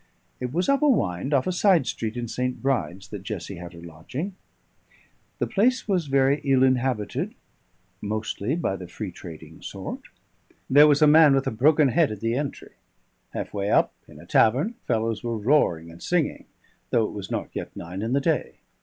It was up a wynd off a side street in St. Bride's that Jessie had her lodging. The place was very ill inhabited, mostly by the free trading sort. There was a man with a broken head at the entry; half way up, in a tavern, fellows were roaring and singing, though it was not yet nine in the day.